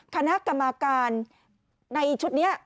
คณะกรรมการในชุดนี้